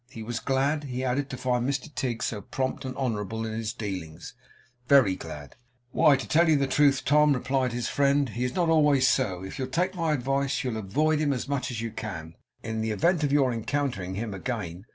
He was glad, he added, to find Mr Tigg so prompt and honourable in his dealings; very glad. 'Why, to tell you the truth, Tom,' replied his friend, 'he is not always so. If you'll take my advice, you'll avoid him as much as you can, in the event of your encountering him again.